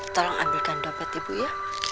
tolong ambilkan dopet ibu ya